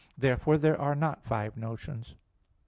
Therefore there are not five notions.